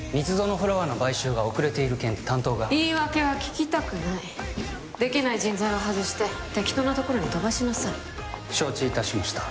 フラワーの買収が遅れている件で担当が言い訳は聞きたくないできない人材は外して適当なところに飛ばしなさい承知いたしました